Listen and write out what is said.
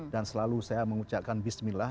dan selalu saya mengucapkan bismillah